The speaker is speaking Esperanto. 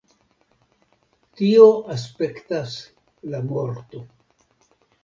Tio aspektas la morto.